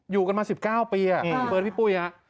อยู่กันมา๑๙ปีอ่ะเบิร์ตพี่ปุ้ยอ่ะ